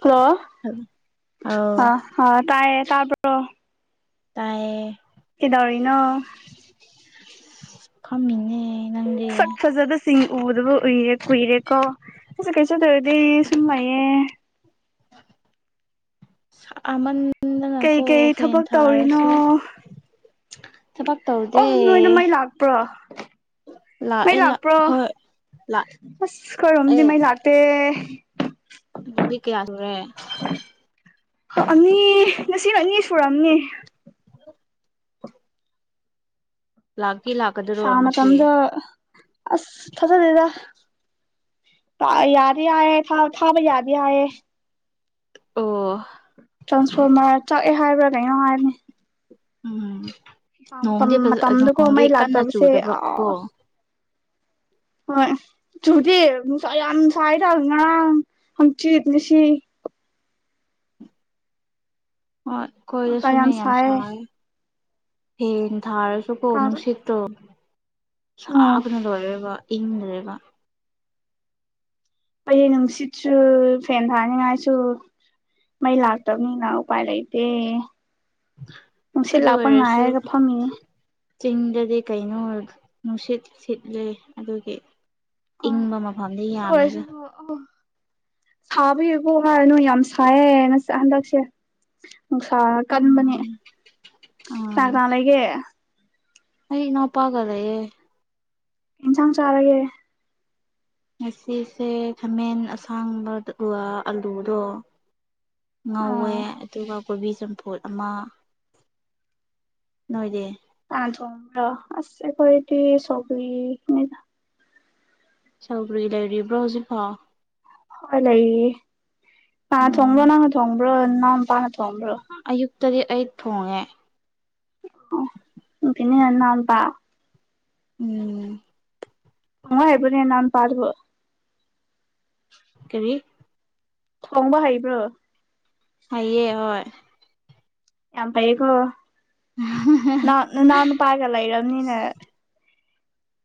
Hello ꯍꯜ ꯑꯥꯎ ꯍꯥ ꯇꯥꯏꯌꯦ ꯇꯥꯕ꯭ꯔꯣ ꯇꯥꯏꯌꯦ ꯀꯤꯗꯧꯔꯤꯅꯣ ꯐꯝꯃꯤꯅꯦ ꯅꯪꯗꯤ ꯁꯛ ꯐꯖꯕꯁ ꯆꯤꯡ ꯎꯗꯕꯨ ꯎꯏꯌꯦ ꯀꯨꯏꯔꯦꯀꯣ ꯑꯩꯖꯨ ꯀꯩꯁꯨ ꯇꯧꯔꯗꯤ ꯁꯨꯝ ꯂꯩꯩꯌꯦ ꯁꯥ ꯑꯃꯥꯟ ꯀꯩꯀꯩ ꯊꯕꯛ ꯇꯧꯔꯤꯅꯣ ꯊꯕꯛ ꯇꯧꯗꯦ ꯑꯣ ꯅꯣꯏꯅ ꯃꯩ ꯂꯥꯛꯄ꯭ꯔꯣ ꯃꯩ ꯂꯥꯛꯑꯦ ꯂꯥꯛ ꯂꯥꯛꯄ꯭ꯔꯣ ꯍꯣꯏ ꯑꯁ ꯈꯣꯏꯔꯣꯝꯗꯤ ꯂꯥꯛꯑꯦ ꯃꯩ ꯂꯥꯛꯇꯦ ꯅꯨꯃꯤꯠ ꯀꯌꯥ ꯁꯨꯨꯔꯦ ꯑꯅꯤ ꯉꯁꯤꯅ ꯑꯅꯤ ꯁꯨꯔꯝꯅꯤ [inaudible] ꯂꯥꯛꯇꯤ ꯂꯥꯛꯀꯥ ꯁꯥ ꯃꯇꯝꯗ ꯑꯁ ꯊꯖꯗꯦꯗ ꯄ ꯌꯥꯗꯦ ꯌꯥꯌꯦ ꯊꯕ ꯊꯥꯕ ꯌꯥꯗꯦ ꯍꯥꯏꯌꯦ ꯑꯣ ꯇ꯭ꯔꯥꯟꯁꯐꯣꯔꯃꯔ ꯆꯛꯑꯦ ꯍꯥꯏꯕ꯭ꯔꯥ ꯀꯩꯅꯣꯝ ꯍꯥꯏꯕꯅꯦ ꯎꯝ ꯃꯇꯝ ꯅꯣꯡꯗꯤ ꯐꯖ ꯃꯇꯝꯗꯀꯣ ꯅꯣꯡꯗꯤ ꯃꯩ ꯀꯟꯅ ꯂꯥꯛꯇꯕꯁꯦ ꯆꯨꯗꯕ ꯑ ꯀꯣ ꯍꯣꯏ ꯆꯨꯗꯤ ꯅꯨꯡꯁꯥ ꯌꯥꯝ ꯁꯥꯏꯗꯥ ꯉꯔꯥꯡ ꯍꯪꯆꯤꯠ ꯉꯁꯤ ꯍꯣꯏ ꯈꯣꯏꯗꯁꯨꯅꯦ ꯌꯥꯝ ꯁꯥꯏꯌꯦ ꯐꯦꯟ ꯊꯔꯁꯨ ꯀꯣ ꯀꯥꯡ ꯅꯨꯡꯁꯤꯠꯇꯣ ꯎꯝ ꯁꯥꯕꯅ ꯂꯣꯏꯔꯦꯕ ꯏꯪꯗꯔꯦꯕ ꯑꯩꯗꯤ ꯅꯨꯡꯁꯤꯠꯁꯨ ꯐꯦꯟ ꯊꯥꯅꯤꯡꯉꯥꯏꯁꯨ ꯃꯩ ꯂꯥꯛꯇꯕꯅꯤꯅ ꯎꯄꯥꯏ ꯂꯩꯇꯦ ꯅꯨꯡꯁꯤꯠ ꯑꯗꯨ ꯂꯥꯛꯄ ꯑꯣꯏꯔꯁꯨ ꯉꯥꯏꯔꯒ ꯐꯝꯃꯤꯅꯦ ꯆꯤꯡꯗꯗꯤ ꯀꯩꯅꯣ ꯅꯨꯡꯁꯤꯠ ꯁꯤꯠꯂꯦ ꯑꯗꯨꯒꯤ ꯍꯣꯏ ꯏꯪꯕ ꯃꯐꯝꯗꯤ ꯑꯗꯨ ꯌꯥꯝꯃꯦꯗꯥ ꯑꯣꯏꯔꯁꯨꯀꯣ ꯑꯣ ꯁꯥꯕꯒꯤꯒꯨ ꯍꯥꯏꯔꯅꯨ ꯌꯥꯝ ꯁꯥꯏꯌꯦ ꯉꯁ ꯍꯟꯗꯛꯁꯦ ꯅꯨꯡꯁꯥ ꯀꯟꯕꯅꯦ ꯎꯝ ꯀꯅꯥ ꯑꯥ ꯀꯅꯥ ꯂꯩꯒꯦ ꯑꯩ ꯏꯅꯥꯎꯄꯥꯒ ꯂꯩꯌꯦ ꯏꯟꯁꯥꯡ ꯆꯥꯔꯒꯦ ꯉꯁꯤꯁꯦ ꯈꯥꯃꯦꯟ ꯑꯁꯥꯡꯕ [unintelligible] ꯑꯂꯨꯗꯣ ꯉꯧꯋꯦ ꯑꯥ ꯑꯗꯨꯒꯥ ꯀꯣꯕꯤ ꯆꯝꯐꯨꯠ ꯑꯃ ꯅꯣꯏꯗꯤ ꯑꯥ ꯊꯣꯡꯕ꯭ꯔꯣ ꯑꯁ ꯑꯩꯈꯣꯏꯗꯤ ꯁꯧꯒ꯭ꯔꯤ ꯅꯤꯗꯥ ꯁꯧꯒ꯭ꯔꯤ ꯂꯩꯔꯤꯕ꯭ꯔꯣ ꯍꯧꯖꯤꯛꯐꯥꯎ ꯍꯣꯏ ꯂꯩꯔꯤꯌꯦ ꯄꯥ ꯎꯝ ꯊꯣꯡꯕ꯭ꯔꯣ ꯅꯪꯅ ꯊꯣꯡꯕ꯭ꯔꯣ ꯅꯅꯥꯎ ꯄꯥꯅ ꯊꯣꯡꯕ꯭ꯔꯣ ꯑꯌꯨꯛꯇꯥꯗꯤ ꯑꯩꯠ ꯊꯣꯡꯉꯦ ꯑꯣ ꯅꯨꯡꯊꯤꯟꯅ ꯍꯦꯟ ꯅꯥꯟꯕ ꯎꯝ ꯊꯣꯡꯕ ꯍꯩꯕꯅꯦ ꯅꯥꯟ ꯄꯗꯨꯕꯨ ꯀꯔꯤ ꯊꯣꯡꯕ ꯍꯩꯕ꯭ꯔꯣ ꯍꯩꯌꯦ ꯍꯣꯏ ꯌꯥꯝ ꯐꯩꯌꯦꯀꯣ ꯅꯪ ꯅꯅꯥꯎ ꯅꯨꯄꯥꯒ ꯂꯩꯔꯕꯅꯤꯅ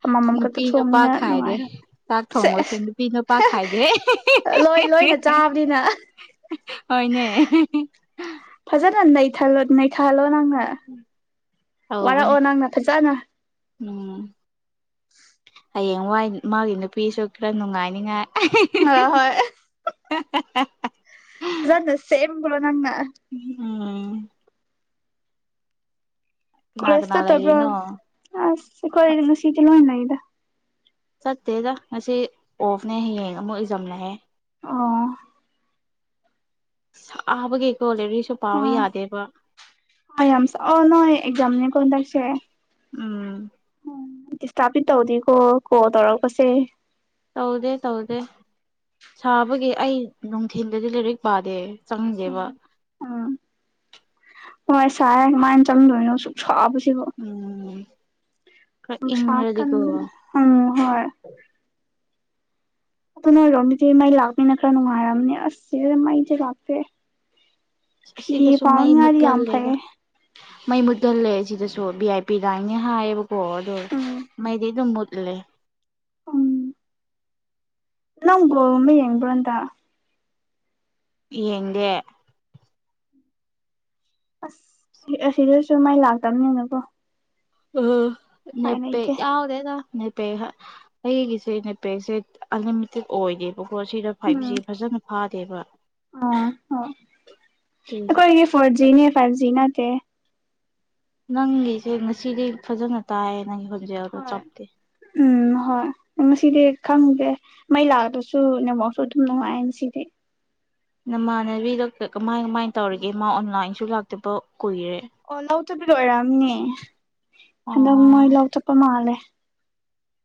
ꯑꯃꯃꯝ ꯈꯛꯇꯥ ꯅꯨꯄꯤ ꯅꯨꯄꯥ ꯊꯣꯝꯅꯤꯅ ꯈꯥꯏꯗꯦ ꯆꯥꯛ ꯊꯣꯡꯕꯁꯦ ꯅꯨꯡꯉꯥꯏꯔꯣꯏ ꯅꯨꯄꯤ ꯅꯨꯄꯥ ꯈꯥꯏꯗꯦ ꯑꯥ ꯂꯣꯏ ꯂꯣꯏꯅ ꯆꯥꯕꯅꯤꯅ ꯍꯣꯏꯅꯦ ꯐꯖꯅ ꯅꯩꯊꯂꯣ ꯅꯩꯊꯥꯂꯣ ꯅꯪꯅ ꯇꯧꯕꯅꯦ ꯋꯥꯔꯛꯑꯣ ꯅꯪꯅ ꯐꯖꯅ꯫ ꯎꯝ꯫ [unintelligible] ꯍꯌꯦꯡꯋꯥꯏ ꯃꯥꯒꯤ ꯅꯨꯄꯤꯁꯨ ꯈꯔ ꯅꯨꯡꯉꯥꯏꯅꯤꯉꯥꯏ [unintelligible] [unintelligible] ꯍꯣꯏ꯫ ꯍꯦ ꯍꯦ ꯍꯦ꯫ ꯐꯖꯅ ꯁꯦꯝꯕ꯭ꯔꯣ ꯅꯪꯅ꯫ ꯎꯝ꯫ ꯀꯅꯥ ꯀꯣꯂꯦꯁ ꯀꯅꯥ ꯆꯠꯇꯕ꯭ꯔꯣ ꯂꯩꯔꯤꯅꯣ ꯑꯁ ꯑꯩꯈꯣꯏꯗꯤ ꯉꯥꯁꯤꯇ ꯂꯣꯏ ꯂꯩꯗ꯫ ꯆꯠꯇꯦꯗ ꯉꯁꯤ ꯑꯣꯐꯅꯦ ꯍꯌꯦꯡ ꯑꯃꯨꯛ ꯑꯦꯛꯖꯥꯝ ꯂꯩꯌꯦ꯫ ꯑꯣ꯫ ꯁꯕꯒꯤꯀꯣ ꯂꯩꯔꯤꯛꯁꯨ ꯄꯥꯕ ꯌꯥꯗꯦꯕ꯫ ꯑꯩ ꯌꯥꯝꯁ ꯑꯣ ꯅꯣꯏ ꯑꯦꯛꯖꯝꯅꯤ ꯀꯣ ꯍꯟꯗꯛꯁꯦ꯫ ꯎꯝ꯫ ꯗꯤꯁꯇ꯭ꯔꯛꯇꯤ ꯇꯧꯗꯤꯀꯣ ꯀꯣꯜ ꯇꯧꯔꯛꯄꯁꯦ꯫ ꯇꯧꯗꯦ ꯇꯧꯗꯦ꯫ ꯁꯥꯕꯒꯤ ꯑꯩ ꯅꯨꯡꯊꯤꯟꯗꯗꯤ ꯂꯥꯏꯔꯤꯛ ꯄꯥꯗꯦ ꯆꯪꯗꯦꯕ꯫ ꯎꯝ ꯍꯣꯏ ꯁꯥꯏꯌꯦ ꯀꯃꯥꯏ ꯆꯪꯗꯣꯏꯅꯣ ꯁꯨꯛꯁꯕꯁꯤꯕꯣ꯫ ꯎꯝ ꯈ꯭ꯔ ꯅꯨꯡꯁꯥ ꯏꯪꯔꯗꯤꯀꯣ꯫ ꯀꯟꯕꯅ ꯎꯝ ꯍꯣꯏ꯫ ꯑꯗꯨ ꯅꯣꯏ ꯑꯣꯏꯔꯣꯝꯗꯗꯤ ꯃꯩ ꯂꯥꯛꯅꯤꯅ ꯈꯔ ꯅꯨꯡꯉꯥꯏꯔꯝꯅꯤ ꯑꯁ ꯁꯤꯗꯗꯤ ꯃꯩꯖꯦ ꯂꯥꯛꯇꯦ꯫ ꯐꯤ ꯑꯁꯤꯗꯁꯨ ꯃꯩ ꯐꯧꯅꯤꯡꯉꯥꯏꯗꯤ ꯌꯥꯝ ꯃꯨꯠꯀꯜꯂꯦꯗ ꯐꯩꯌꯦ꯫ ꯃꯩ ꯃꯨꯊꯠꯂꯦ ꯁꯤꯗꯁꯨ ꯚꯤ ꯑꯥꯏ ꯄꯤ ꯂꯥꯏꯟꯅꯦ ꯍꯥꯏꯌꯦꯕꯀꯣ ꯑꯗꯣ ꯎꯝ ꯃꯩꯗꯤ ꯑꯗꯨꯝ ꯃꯨꯠꯂꯤ꯫ ꯎꯝ꯫ ꯅꯪ ꯕꯣꯜꯒꯨꯝꯕ ꯌꯦꯡꯕꯔꯥ ꯍꯟꯇꯛ꯫ ꯌꯦꯡꯗꯦ꯫ ꯑꯁ ꯑꯁꯤꯗꯁꯨ ꯃꯩ ꯂꯥꯛꯇꯝꯅꯤꯅꯀꯣ꯫ ꯑꯣ ꯅꯦꯠꯄꯦꯛ ꯂꯩꯇꯦ ꯌꯥꯎꯗꯦꯗ꯫ ꯅꯦꯠꯄꯦꯛ ꯑꯩꯒꯤꯁꯦ ꯅꯦꯠꯄꯦꯛꯁꯦ ꯑꯟꯂꯤꯃꯤꯇꯦꯠ ꯑꯣꯏꯗꯦ꯫ ꯀꯣ ꯁꯤꯗ ꯐꯥꯏꯚ ꯖꯤ ꯎꯝ ꯐꯖꯅ ꯐꯥꯗꯦꯕ꯫ ꯑꯣ ꯍꯣꯏ ꯑꯗꯨꯒꯤ ꯑꯩꯈꯣꯏꯒꯤ ꯐꯣꯔ ꯖꯤꯅꯦ ꯐꯥꯏꯚ ꯖꯤ ꯅꯠꯇꯦ꯫ ꯅꯪꯒꯤꯁꯦ ꯉꯁꯤꯗꯤ ꯐꯖꯅ ꯇꯥꯏꯌꯦ ꯅꯪꯒꯤ ꯍꯧ ꯍꯣꯏ ꯎꯝ ꯍꯣꯏ ꯉꯁꯤꯗꯤ ꯈꯪꯗꯦ꯫ ꯃꯩ ꯂꯥꯛꯑꯗꯁꯨ ꯅꯦꯠꯋꯥꯛꯁꯨ ꯑꯗꯨꯝ ꯅꯨꯡꯉꯥꯏ ꯉꯁꯤꯗꯤ꯫ ꯅꯃꯥꯟꯅꯕꯤꯗꯨ ꯀꯃꯥꯏ ꯀꯃꯥꯏꯅ ꯇꯧꯔꯤꯒꯦ ꯃꯥ ꯑꯣꯟꯂꯥꯏꯟꯁꯨ ꯂꯥꯛꯇꯕ ꯀꯨꯏꯔꯦ꯫ ꯑꯣ ꯂꯧꯆꯠꯄꯤꯗꯣ ꯑꯣꯏꯔꯝꯅꯤ ꯍꯟꯗꯛ ꯑꯣ ꯃꯣꯏ ꯂꯧ ꯆꯠꯄ ꯃꯥꯜꯂꯦ꯫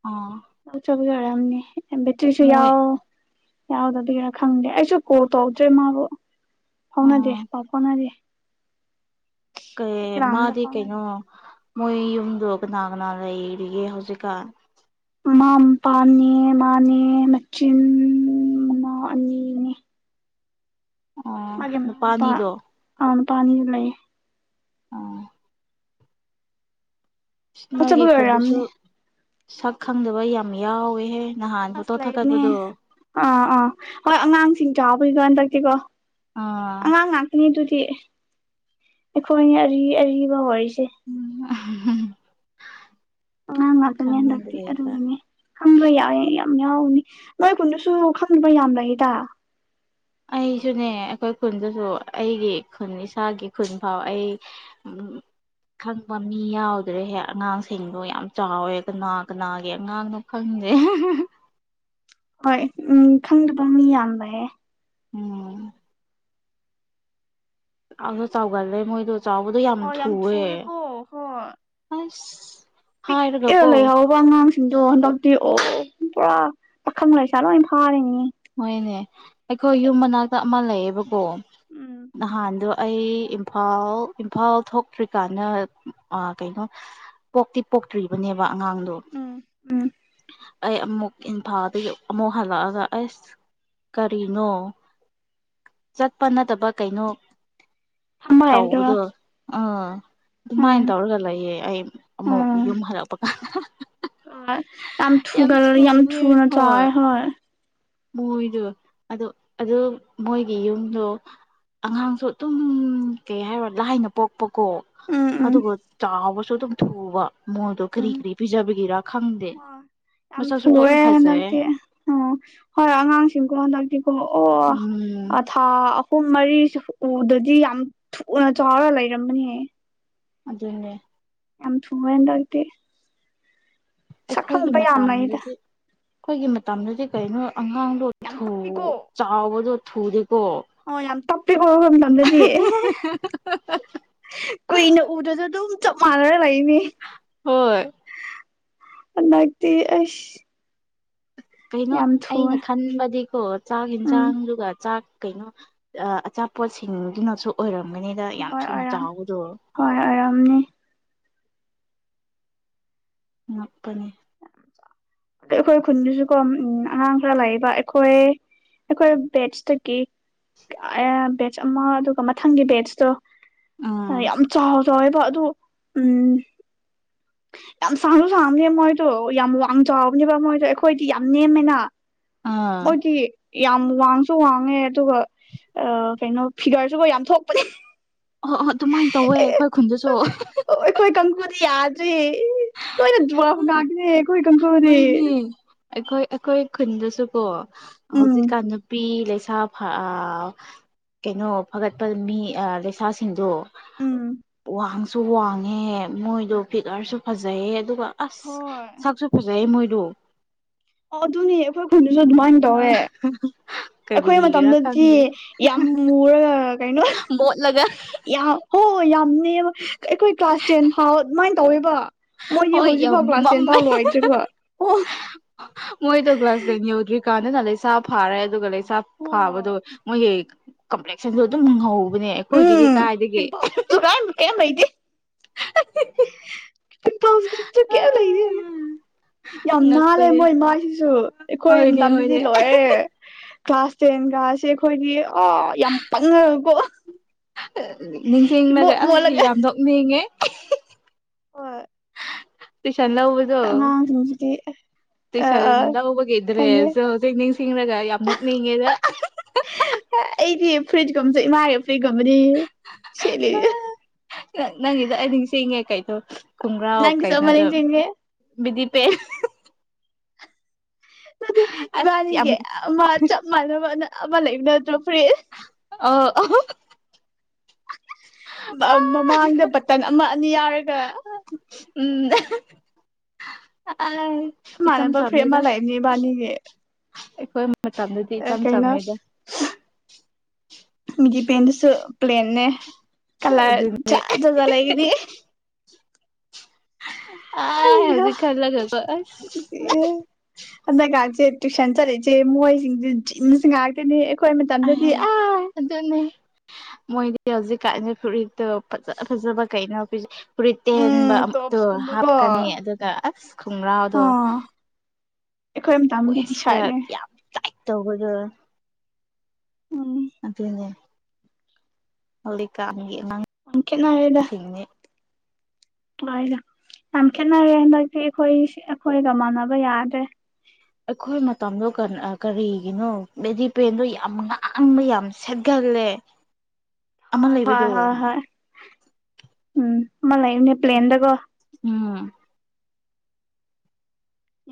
ꯑꯥ꯫ ꯂꯧ ꯆꯠꯄꯩ ꯑꯣꯏꯔꯝꯅꯤ ꯑ ꯕꯦꯇ꯭ꯔꯤꯁꯨ ꯃꯣꯏ ꯌꯥꯎ꯫ ꯌꯥꯎꯗꯕꯤꯔ ꯈꯪꯗꯦ ꯑꯩꯁꯨ ꯀꯣꯜ ꯇꯧꯗ꯭ꯔꯦ ꯃꯥꯕꯨ ꯐꯥꯎꯅꯗꯦ ꯑꯣ ꯄꯥꯎ ꯐꯥꯎꯅꯗꯦ꯫ ꯀꯩ ꯇꯦꯂꯤꯒ꯭ꯔꯥꯝꯗ ꯃꯥꯗꯤ ꯀꯩꯅꯣ ꯐꯥꯎꯅꯗꯦ ꯃꯣꯏ ꯌꯨꯝꯗꯣ ꯀꯅꯥ ꯀꯅꯥ ꯂꯩꯔꯤꯒꯦ ꯍꯧꯖꯤꯛꯀꯥꯟ꯫ ꯃꯃꯥ ꯃꯄꯥꯅꯦ ꯃꯥꯅꯦ ꯃꯆꯤꯟ ꯃꯅꯥꯎ ꯑꯅꯤ꯫ ꯑꯣ ꯃꯥꯒꯤ ꯃꯅꯥꯎꯅꯨꯄꯥ ꯅꯨꯄꯥꯅꯤꯗꯣ ꯃꯅꯥꯎꯅꯨꯄꯥ ꯑꯅꯤꯒ ꯂꯩ꯫ ꯑꯣ ꯂꯧ ꯅꯣꯏꯒꯤ ꯆꯠꯄꯒꯤ ꯈꯨꯟꯗꯨꯁꯨ ꯑꯣꯏꯔꯝꯅꯤ ꯁꯛ ꯈꯪꯗꯕ ꯌꯥꯝ ꯌꯥꯎꯋꯦꯍꯦ꯫ ꯅꯍꯥꯟ ꯑꯁ ꯐꯣꯇꯣ ꯂꯩꯕꯅꯦ ꯊꯥꯒꯠꯄꯗꯣ꯫ ꯑꯥ ꯑꯥ ꯍꯣꯏ ꯑꯉꯥꯡꯁꯤꯡ ꯆꯥꯎꯕꯒꯤꯒ ꯍꯟꯗꯛꯇꯤꯀꯣ ꯑꯥ ꯑꯉꯥꯡ ꯉꯥꯛ ꯑꯅꯤꯗꯨꯗꯤ ꯑꯩꯈꯣꯏꯅꯦ ꯑꯔꯤ ꯑꯔꯤꯕ ꯑꯣꯏꯔꯤꯁꯦ ꯎꯝ ꯎ [unintelligible] ꯑꯉꯥꯡ ꯉꯥꯛꯇꯅꯦ ꯑꯗꯨꯒꯤꯅꯦ ꯍꯟꯗꯛꯇꯤ [unintelligible] ꯈꯪꯕ꯭ꯔꯥ ꯌꯥꯎꯏ ꯌꯥꯝ ꯌꯥꯎꯅꯤ ꯅꯣꯏ ꯈꯨꯟꯗꯨꯁꯨ ꯈꯪꯗꯕ꯭ꯔꯥ ꯌꯥꯝꯕ꯭ꯔꯥ ꯍꯦꯗ [unintelligible] ꯑꯩꯁꯨꯅꯦ ꯑꯩꯈꯣꯏ ꯈꯨꯟꯗꯁꯨ ꯑꯩꯒꯤ ꯈꯨꯟ ꯏꯁꯥꯒꯤ ꯈꯨꯟ ꯐꯥꯎ ꯑꯩ ꯎꯝ [unintelligible] ꯈꯪꯕ ꯃꯤ ꯌꯥꯎꯗ꯭ꯔꯦꯍꯦ ꯑꯉꯥꯡꯁꯤꯡꯗꯣ ꯌꯥꯝ ꯆꯥꯎꯋꯦ ꯀꯅꯥ ꯀꯅꯥꯒꯤ ꯑꯉꯥꯡꯅꯣ ꯈꯪꯗꯔꯦ ꯑꯍꯦ ꯍꯣꯏ ꯎꯝ ꯈꯪꯗꯕ ꯃꯤ ꯌꯥꯝꯕꯍꯦ ꯎꯝ ꯆꯥꯎꯁꯨ ꯆꯥꯎꯒꯜꯂꯦ ꯃꯣꯏꯗꯣ ꯆꯥꯎꯕꯗꯣ ꯌꯥꯝ ꯍꯣꯏ ꯊꯨꯑꯦ ꯊꯨꯏꯌꯦꯀꯣ ꯍꯣꯏ ꯑꯁ ꯄꯤꯛ ꯄꯤꯛꯑꯒ ꯍꯥꯏꯔꯒꯀꯣ ꯂꯩꯍꯥꯎ ꯕ ꯑꯉꯥꯡꯁꯤꯡꯗꯣ ꯍꯟꯗꯛꯇꯤ ꯑꯣ ꯄꯨꯔꯥ ꯄꯥꯈꯪ ꯂꯩꯁꯥ ꯂꯣꯏ ꯐꯥꯔꯤꯅꯤ ꯍꯣꯏꯅꯦ ꯑꯩꯈꯣꯏ ꯌꯨꯝ ꯃꯅꯥꯛꯇ ꯑꯃ ꯂꯩꯌꯦꯕꯀꯣ ꯎꯝ ꯅꯍꯥꯟꯗꯣ ꯑꯩ ꯏꯝꯐꯥꯜ ꯏꯝꯐꯥꯜ ꯊꯣꯛꯇ꯭ꯔꯤꯀꯥꯟꯗ ꯑꯥ ꯀꯩꯅꯣ ꯄꯣꯛꯇꯤ ꯄꯣꯛꯇ꯭ꯔꯤꯕꯅꯦꯕ ꯑꯉꯥꯡꯗꯣ ꯎꯝ ꯎꯝ ꯑꯩ ꯑꯃꯨꯛ ꯏꯝꯐꯥꯜꯗꯒꯤ ꯑꯃꯨꯛ ꯍꯜꯂꯛꯑꯒ ꯑꯩꯁ ꯀꯔꯤꯅꯣ ꯆꯠꯄ ꯅꯠꯇꯕ ꯀꯩꯅꯣ ꯈꯪꯕ ꯍꯩꯕꯗꯣ ꯇꯧꯕꯗꯨ ꯑꯥ ꯎꯝ ꯑꯗꯨꯃꯥꯏꯅ ꯇꯧꯔꯒ ꯂꯩꯌꯦ ꯑꯩ ꯑꯃꯨꯛ ꯎꯝ ꯌꯨꯝ ꯍꯜꯂꯛꯄ ꯀꯥꯟꯗ ꯍꯣꯏ ꯌꯥꯝ ꯊꯨꯒ ꯌꯥꯝ ꯊꯨꯅ ꯍꯣꯏ ꯆꯥꯎꯋꯦ [unintelligible] ꯃꯣꯏꯗꯣ ꯑꯗꯨ ꯑꯗꯨ ꯃꯣꯏꯒꯤ ꯌꯨꯝꯗꯨ ꯑꯉꯥꯡꯁꯨ ꯑꯗꯨꯝ ꯀꯩ ꯍꯥꯏꯔꯣ ꯂꯥꯏꯅ ꯄꯣꯛꯄꯀꯣ ꯎꯝ ꯎꯝ ꯑꯗꯨꯒ ꯆꯥꯎꯕꯁꯨ ꯑꯗꯨꯝ ꯊꯨꯕ ꯃꯣꯏꯗꯣ ꯀ꯭ꯔꯤ ꯎꯝ ꯀ꯭ꯔꯤ ꯄꯤꯖꯕꯒꯤꯔ ꯈꯪꯗꯦ ꯑꯣ ꯌꯥꯝ ꯃꯁꯛꯁꯨ ꯊꯨꯑꯦ ꯂꯣꯏꯅ ꯐꯖꯩꯌꯦ ꯍꯟꯗꯛꯇꯤ ꯑꯣ ꯍꯣꯏ ꯑꯉꯥꯡꯁꯤꯡꯀꯣ ꯍꯟꯗꯛꯇꯤꯀꯣ ꯎꯝ ꯑꯣ ꯊꯥ ꯑꯍꯨꯝ ꯃꯔꯤꯁꯤ ꯎꯗꯔꯗꯤ ꯌꯥꯝ ꯊꯨꯅ ꯆꯥꯎꯔ ꯂꯩꯔꯝꯕꯅꯦꯍꯦ ꯑꯗꯨꯅꯦ ꯌꯥꯝ ꯊꯨꯌꯦ ꯍꯟꯗꯛꯇꯤ ꯑꯩꯈꯣꯏꯒꯤ ꯁꯛꯈꯪꯕ ꯌꯥꯝ ꯂꯩꯗ ꯃꯇꯝꯗꯗꯤ ꯑꯩꯈꯣꯏꯒꯤ ꯃꯇꯝꯗꯗꯤ ꯀꯩꯅꯣ ꯑꯉꯥꯡꯗꯣ ꯌꯥꯝ ꯊꯨ ꯇꯞꯄꯤꯀꯣ ꯆꯥꯎꯕꯗꯣ ꯊꯨꯗꯦꯀꯣ ꯑꯣ ꯌꯥꯝ ꯇꯞꯄꯦꯀꯣ ꯑꯩꯈꯣꯏ ꯃꯇꯝꯗꯗꯤ ꯀꯨꯏꯅ ꯎꯗ꯭ꯔꯁꯨ ꯑꯗꯨꯝ ꯆꯞ ꯃꯥꯟꯅꯔ ꯂꯩꯅꯤ ꯍꯣꯏ ꯍꯟꯗꯛꯇꯤ ꯑꯩꯁ ꯀꯩꯅꯣ ꯌꯥꯝ ꯑꯩꯅ ꯊꯨꯑꯦ ꯈꯟꯕꯗꯤꯀꯣ ꯆꯥꯛ ꯎꯝ ꯌꯦꯟꯁꯥꯡꯗꯨꯒ ꯆꯥꯛ ꯀꯩꯅꯣ ꯑꯆꯥꯄꯣꯠꯁꯤꯡꯗꯨꯅꯁꯨ ꯑꯣꯏꯔꯝꯒꯅꯤꯗ ꯌꯥꯝ ꯍꯣꯏ ꯊꯨꯅ ꯑꯣꯏꯔꯝ ꯆꯥꯎꯕꯗꯣ ꯍꯣꯏ ꯑꯣꯏꯔꯝꯅꯤ ꯉꯛꯄꯅꯤ ꯑ ꯑꯩꯈꯣꯏ ꯈꯨꯟꯗꯨꯁꯨꯀꯣ ꯎꯝ ꯑꯉꯥꯡ ꯈꯔ ꯂꯩꯕ ꯑꯩꯈꯣꯏ ꯑꯩꯈꯣꯏ ꯕꯦꯠꯁꯇꯒꯤ ꯕꯦꯠꯆ ꯕꯦꯠꯁ ꯑꯃ ꯑꯗꯨꯒ ꯃꯊꯪꯒꯤ ꯕꯦꯠꯁꯇꯣ ꯎꯝ [unintelligible] ꯌꯥꯝ ꯆꯥꯎ ꯆꯥꯎꯋꯦꯕ ꯑꯗꯨ ꯎꯝ ꯌꯥꯝ ꯁꯥꯡꯁꯨ ꯁꯥꯥꯡꯑꯝꯅꯦ ꯃꯣꯏꯗꯣ ꯌꯥꯝ ꯋꯥꯡꯖꯥꯎꯅꯦꯕ ꯃꯣꯏꯗꯣ ꯑꯩꯈꯣꯏꯗꯤ ꯌꯥꯝ ꯅꯦꯝꯃꯦꯅ [unintelligible] ꯑꯥ ꯃꯣꯏꯗꯤ ꯌꯥꯝ ꯋꯥꯡꯁꯨ ꯋꯥꯡꯉꯦ ꯑꯗꯨꯒ ꯀꯩꯅꯣ ꯐꯤꯒꯔꯁꯨꯕꯨ ꯌꯥꯝ ꯊꯣꯛꯄꯅꯤ ꯑꯣ ꯑꯣ ꯑꯗꯨꯃꯥꯏꯅ ꯇꯧꯋꯦ ꯑꯈꯣꯏ ꯈꯨꯟꯗꯨꯁꯨ ꯑꯣ ꯑꯣ ꯑꯩꯈꯣꯏ ꯀꯥꯡꯒꯨꯗꯤ ꯌꯥꯗ꯭ꯔꯦ ꯂꯣꯏꯅ ꯗꯨꯋꯥ ꯉꯥꯡꯈ꯭ꯔꯦ ꯍꯣꯏꯅꯦ ꯑꯩꯈꯣꯏ ꯑꯩꯈꯣꯏ ꯈꯨꯟꯗꯁꯨꯀꯣ ꯎꯝ ꯍꯧꯖꯤꯛꯀꯥꯟ ꯄꯤ ꯂꯩꯁꯥ ꯐ ꯑ ꯀꯩꯅꯣ ꯐꯒꯠꯄ ꯃꯤ ꯑ ꯂꯩꯁꯥꯁꯤꯡꯗꯣ ꯎꯝ ꯋꯥꯡꯁꯨ ꯋꯥꯡꯉꯦ ꯃꯣꯏꯗꯣ ꯐꯤꯒꯔꯁꯨ ꯐꯖꯩꯌꯦ ꯑꯗꯨꯒ ꯑꯁ ꯍꯣꯏ ꯁꯛꯁꯨ ꯐꯖꯩꯌꯦ ꯃꯣꯏꯗꯨ ꯑꯣ ꯑꯗꯨꯅꯤ ꯑꯩꯈꯣꯏ ꯈꯣꯏꯗꯁꯨ ꯑꯗꯨꯃꯥꯏꯅ ꯇꯧꯋꯦ ꯑꯩꯈꯣꯏ ꯀꯔꯤꯒꯤꯔꯥ ꯃꯇꯝꯗꯗꯤ ꯈꯪꯗꯦ ꯌꯥꯝ ꯃꯨꯔꯒ ꯃꯣꯠꯂꯒ ꯌꯥ ꯍꯣꯏ ꯌꯥꯝꯅꯦꯝꯃ ꯑꯩꯈꯣꯏ ꯀ꯭ꯂꯥꯁ ꯇꯦꯟ ꯐꯥꯎ ꯑꯗꯨꯃꯥꯏ ꯇꯧꯋꯦꯕ ꯃꯣꯏꯗꯤ ꯍꯣꯏ ꯍꯧꯖꯤꯛ ꯌꯥꯝ ꯐꯥꯎ ꯀ꯭ꯂꯥꯁ ꯇꯦꯟ ꯐꯥꯎ ꯃꯝꯃꯦ ꯂꯣꯏꯗ꯭ꯔꯤꯕꯣ ꯑꯣ ꯃꯣꯏꯗꯣ ꯀ꯭ꯂꯥꯁ ꯗꯦꯜ ꯌꯎꯗ꯭ꯔꯤ ꯀꯥꯟꯅ ꯅ ꯂꯩꯁ ꯐꯥꯔꯦ ꯑꯗꯨꯒ ꯂꯩ ꯄꯥꯞ ꯐꯥꯕꯗꯣ ꯑꯣ ꯃꯣꯏꯒꯤ ꯀꯝꯄ꯭ꯂꯦꯛꯁꯟꯗꯨ ꯑꯗꯨꯝ ꯉꯧ ꯎꯝ ꯄꯤꯝꯄꯜ [unintelligible] ꯀꯩꯌꯤꯝ ꯂꯩꯇꯦ [unintelligible] ꯌꯥꯝ ꯅꯥꯥꯜꯂꯦ ꯑꯉꯛꯄꯅꯦ ꯃꯣꯏ ꯏꯃꯥꯏꯁꯤꯁꯨ ꯑꯩꯈꯣꯏ ꯍꯣꯏꯅꯦ ꯃꯇꯝꯗꯗꯤ ꯍꯣꯏꯅꯦ ꯂꯣꯏꯔꯦ ꯀ꯭ꯂꯥꯁ ꯇꯦꯟꯒꯥꯁꯦ ꯈꯣꯏꯒꯤ ꯑ ꯌꯥꯝ ꯄꯪꯉꯒꯀꯣ ꯅꯤꯡꯁꯤꯡꯂꯒ ꯏꯃꯣꯠ ꯑ ꯃꯣꯠꯂꯒ ꯌꯥꯝ ꯅꯣꯛꯅꯤꯡꯉꯦ ꯍꯣꯏ ꯇꯧꯏꯁꯟ ꯂꯧꯕꯗꯣ ꯑꯉꯥꯡꯁꯤꯡꯁꯤꯗꯤ ꯑ ꯇꯨꯏꯁꯟ ꯑ ꯂꯧꯕꯒꯤ ꯈꯪꯉꯦ ꯗ꯭ꯔꯦꯁꯖꯣ ꯍꯧꯖꯤꯛ ꯅꯤꯡꯁꯤꯡꯔꯒ ꯌꯥꯝ ꯅꯣꯛꯅꯤꯡꯉꯤꯗ ꯑꯩꯗꯤ ꯐ꯭ꯔꯤꯠꯀꯨꯝꯕꯁꯦ ꯏꯃꯥꯒꯤ ꯐ꯭ꯔꯤꯖꯀꯨꯝꯕꯅꯤ ꯁꯦꯠꯂꯤ ꯅꯪ ꯅꯪꯒꯤꯗ ꯑꯩ ꯅꯤꯡꯁꯤꯡꯉꯦ ꯀꯩꯗꯣ ꯈꯣꯡꯒ꯭ꯔꯥꯎ ꯅꯪꯒꯤꯁꯨ ꯑꯃ ꯀꯩꯅꯣꯗꯣ ꯅꯤꯡꯁꯤꯡꯉꯦ ꯕꯤꯗꯤ ꯄꯦꯟ ꯅꯗꯤ ꯑꯁ ꯌꯥꯝ ꯏꯕꯥꯅꯤꯒꯤ ꯑꯃ ꯆꯞ ꯃꯥꯟꯅꯕ ꯑꯃ ꯂꯩꯕ ꯅꯠꯇ꯭ꯔꯣ ꯐꯨꯔꯤꯠ ꯑꯧ ꯑꯧ ꯕꯥ ꯃꯃꯥꯡꯗ ꯕꯇꯟ ꯑꯃ ꯑꯅꯤ ꯌꯥꯎꯔꯒ ꯎꯝ ꯆꯞ ꯏꯆꯝ ꯃꯥꯟꯅꯕ ꯐꯨꯔꯤꯠ ꯑꯃ ꯆꯝꯃꯦꯗ ꯂꯩꯥꯅꯤ ꯏꯕꯥꯅꯤꯒꯤ ꯑꯩꯈꯣꯏ ꯃꯇꯝꯗꯗꯤ ꯏꯆꯝ ꯀꯩꯅꯣ ꯆꯝꯃꯦꯗ ꯃꯤꯒꯤ ꯄꯦꯟꯗꯨꯁꯨ ꯄꯂꯦꯜꯅꯦ ꯀꯂ꯭ꯔ ꯑꯗꯨꯅꯤ ꯆꯥ ꯗꯒ‌ ꯂꯩꯒꯅꯤ ꯑ ꯑꯩꯍꯥ ꯍꯧꯖꯤꯛ ꯈꯜꯂꯒ ꯀꯣ ꯑꯁ ꯍꯟꯗꯛ ꯉꯥꯛꯁꯦ ꯇꯨꯏꯁꯟ ꯆꯠꯂꯤꯁꯦ ꯃꯣꯏꯁꯤꯡꯁꯦ ꯖꯤꯁ ꯉꯥꯛꯇꯅꯤ ꯑꯩꯈꯣꯏ ꯃꯇꯝꯗꯗꯤ ꯑ ꯑꯗꯨꯅꯤ ꯃꯣꯏꯗꯤ ꯍꯧꯖꯤꯛ ꯀꯥꯅꯦ ꯐꯨꯔꯤꯠꯇꯣ ꯐꯖ ꯐꯖꯕ ꯀꯩꯅꯣ ꯐꯨꯔꯤꯠ ꯇꯦꯟꯕ ꯎꯝ ꯑꯗꯣ ꯇꯣꯞꯁꯀꯨꯝꯕꯀꯣ ꯍꯥꯞꯀꯅꯤ ꯑꯗꯨꯒ ꯑꯁ ꯈꯣꯡꯒ꯭ꯔꯥꯎꯗꯣ ꯑꯥ ꯑꯩꯈꯣꯏ ꯃꯇꯝꯗꯤ ꯇꯤ ꯋꯦꯁꯇ ꯁꯥꯔꯠꯅꯦ ꯌꯥꯝ ꯇꯥꯏꯠ ꯇꯧꯕꯗ ꯎꯝ ꯑꯗꯨꯅꯦ ꯍꯣꯂꯤꯛꯀꯥꯟꯒꯤ ꯑꯉꯥꯡ ꯌꯥꯝ ꯀꯦꯠꯅꯔꯦꯗ ꯃꯥꯏꯗ ꯌꯥꯝ ꯈꯦꯠꯅꯔꯦ ꯍꯟꯗꯛꯇꯤ ꯑꯈꯣꯏꯁꯤ ꯑꯈꯣꯏꯒ ꯃꯥꯟꯅꯕ ꯌꯥꯗ꯭ꯔꯦ ꯑꯩꯈꯣꯏ ꯃꯇꯝꯗꯣ ꯀꯟ ꯑ ꯀꯔꯤꯒꯤꯅꯣ ꯕꯦꯗꯤ ꯄꯦꯟꯗꯣ ꯌꯥꯝ ꯉꯥꯡꯕ ꯌꯥꯝ ꯁꯦꯠꯀꯜꯂꯦ ꯍꯣꯏ ꯎꯝ ꯑꯃ ꯂꯩꯕꯅꯦ ꯄ꯭ꯂꯦꯟꯗꯒꯣ ꯎꯝ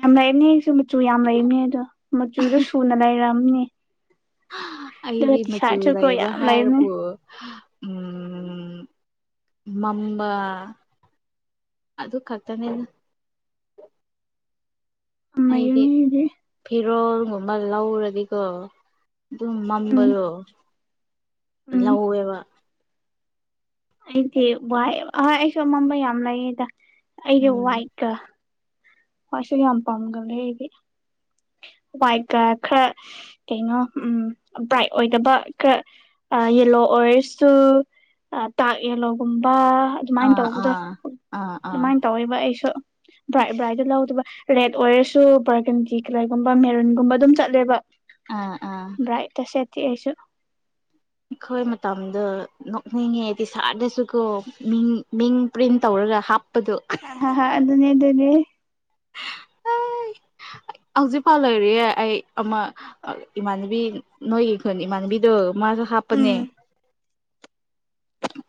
ꯌꯥꯝ ꯂꯩꯔꯝꯅꯤ ꯁꯨ ꯃꯆꯨ ꯌꯥꯝ ꯂꯩꯃꯅꯦ ꯑꯗꯣ ꯃꯆꯨꯗꯣ ꯁꯨꯅ ꯂꯩꯔꯝꯅꯤ ꯑꯗꯨꯒ ꯇꯤ ꯁ꯭ꯥꯔꯠꯁꯨꯀꯣ ꯌꯥꯝ ꯂꯩꯃꯅꯦ ꯑꯣ [inaudible] ꯃꯝꯃꯥ ꯑꯗꯨ ꯈꯛꯇꯅꯤꯅ ꯌꯥꯝ ꯑꯩꯗꯤ ꯂꯩꯕꯅꯦ ꯐꯤꯔꯣꯜꯒꯨꯝꯕ ꯂꯧꯔꯗꯤꯀꯣ ꯑꯗꯨꯝ ꯎꯝ ꯃꯝꯕꯗꯣ ꯎꯝ ꯂꯧꯋꯦꯕ ꯑꯩꯗꯤ ꯋꯥꯏꯑꯦꯕ ꯍꯣꯏ ꯑꯩꯁꯨ ꯑꯃꯝꯕ ꯌꯥꯝ ꯂꯩꯌꯦꯗ ꯑꯩꯗꯤ ꯎꯝ ꯋꯥꯏꯠꯀ ꯍ꯭ꯋꯥꯏꯠꯁꯦ ꯌꯥꯝ ꯄꯥꯝꯒꯜꯂꯦ ꯑꯩꯗꯤ ꯋꯥꯏꯠꯀ ꯈꯔ ꯀꯩꯅꯣ ꯎꯝ ꯕ꯭ꯔꯥꯏꯠ ꯑꯣꯏꯗꯕ ꯀꯥ__ ꯑꯥ ꯌꯦꯂꯣ ꯑꯣꯏꯔꯁꯨ ꯑꯥ ꯇꯥꯛ ꯌꯦꯜꯂꯣꯒꯨꯝꯕ ꯑꯃꯥꯏꯟ ꯑꯥ ꯇꯧꯕꯗꯣ ꯑꯥ ꯑꯥ ꯑꯥ ꯑꯗꯨꯃꯥꯏ ꯇꯧꯋꯦꯕ ꯑꯩꯁꯨ ꯕ꯭ꯔꯥꯏꯠ ꯕ꯭ꯔꯥꯏꯠꯗ ꯂꯧꯗꯕ ꯔꯦꯗ ꯑꯣꯏꯔꯁꯨ ꯕꯔꯒꯟꯗꯤ ꯀ꯭ꯂꯦꯒꯨꯝꯕ ꯃꯦꯔꯨꯟꯒꯨꯝꯕ ꯑꯗꯨꯝ ꯆꯠꯂꯦꯕ ꯑꯥ ꯑꯥ ꯕ꯭ꯔꯥꯏꯠ ꯇ ꯁꯦꯠꯇꯦ ꯑꯩꯁꯨ ꯑꯩꯈꯣꯏ ꯃꯇꯝꯗꯣ ꯅꯣꯛꯅꯤꯡꯉꯦꯗꯤ ꯁꯥꯔꯗꯁꯨꯀꯣ ꯃꯤꯡ ꯃꯤꯡ ꯄ꯭ꯔꯤꯟ ꯇꯧꯔꯒ ꯍꯥꯞꯄꯗꯣ ꯑꯗꯨꯅꯦ ꯑꯗꯨꯅꯦ ꯍꯧꯖꯤꯛꯐꯥꯎ ꯂꯩꯔꯤꯌꯦ ꯑꯩ ꯑꯃ ꯑꯥ ꯏꯃꯥꯟꯅꯕꯤ ꯅꯣꯏꯒꯤ ꯈꯨꯟ ꯏꯃꯥꯟꯅꯕꯤ ꯗꯣ ꯃꯥꯖꯨ ꯍꯥꯞꯄꯅꯦ ꯎꯝ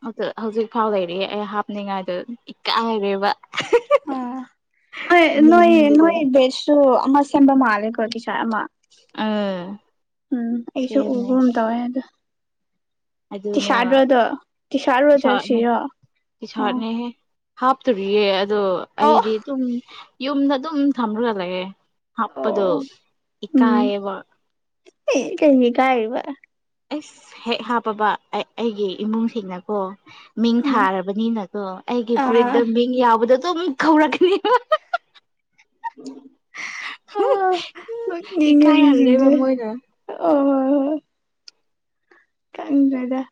ꯑꯗꯨ ꯍꯧꯖꯤꯛ ꯐꯥꯎ ꯂꯩꯔꯤꯌꯦ ꯑꯩ ꯍꯥꯞꯅꯤꯡꯉꯥꯏꯗꯣ ꯏꯀꯥꯏꯔꯦꯕ ꯑꯣ ꯑꯩ ꯅꯣꯏ ꯃꯤꯡꯒꯗꯣ ꯅꯣꯏ ꯕꯦꯁꯁꯨ ꯑꯃ ꯁꯦꯝꯕ ꯃꯥꯜꯂꯦꯀꯣ ꯇꯤꯁ꯭ꯥꯔꯠ ꯑꯃ ꯑꯥ ꯎꯝ ꯑꯩꯁꯨ ꯁꯦꯝꯃꯦ ꯎꯒꯨꯝ ꯇꯧꯋꯦ ꯑꯗꯣ ꯑꯗꯨꯅꯦꯕ ꯇꯤꯁ꯭ꯔꯥꯗꯔꯣ ꯑꯗꯣ ꯇꯤꯁ꯭ꯔꯥꯠꯔꯣ ꯇꯤ ꯁꯥꯔꯠꯅꯦ ꯖꯔꯁꯤꯔꯣ ꯇꯤ ꯑꯣ ꯁꯥꯔꯠꯅꯤꯍꯦ ꯍꯥꯞꯇꯣꯔꯤꯌꯦ ꯑꯗꯣ ꯑꯣ ꯑꯩꯗꯤ ꯑꯗꯨꯝ ꯌꯨꯝꯗ ꯑꯗꯨꯝ ꯊꯝꯔꯒꯥ ꯂꯩꯌꯦ ꯍꯥꯞꯄꯗꯣ ꯑꯣ ꯎꯝ ꯏꯀꯥꯏꯌꯦꯕ ꯑꯦ ꯀꯩꯅꯣ ꯏꯀꯥꯏꯔꯤꯕ ꯑꯩꯁ ꯍꯦꯛ ꯍꯥꯞꯄꯕ ꯑꯩ ꯑꯩꯒꯤ ꯏꯃꯨꯡꯁꯤꯡꯅꯀꯣ ꯃꯤꯡ ꯎꯝ ꯊꯥꯔꯕꯅꯤꯅ ꯗꯣ ꯑꯩꯒꯤ ꯑꯥ ꯐꯨꯔꯤꯠꯗ ꯃꯤꯡ ꯌꯥꯎꯕꯗ ꯑꯗꯨꯝ ꯀꯧꯔꯛꯀꯅꯤꯕ ꯑꯥ ꯅꯣꯛꯅꯤꯡꯉꯦ ꯏꯀꯥꯏꯍꯜꯂꯦꯕ ꯃꯤꯖꯤꯡꯖꯦ ꯃꯣꯏꯅ ꯑꯥ ꯀꯪꯗꯦꯗ